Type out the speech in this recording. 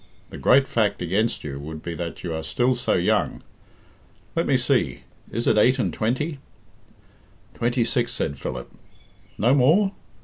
The great fact against you would be that you are still so young. Let me see, is it eight and twenty?" "Twenty six," said Philip. "No more?